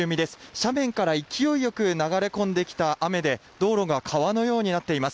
斜面から勢いよく流れ込んできた雨で、道路が川のようになっています。